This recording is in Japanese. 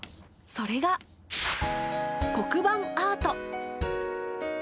それが、黒板アート。